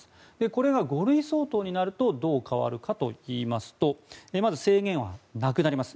これが５類相当になるとどう変わるかといいますとまず、制限はなくなります。